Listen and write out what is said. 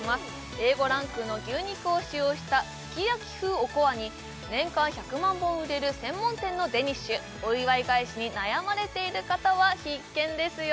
Ａ５ランクの牛肉を使用したすき焼き風おこわに年間１００万本売れる専門店のデニッシュお祝い返しに悩まれている方は必見ですよ